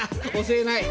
教えない！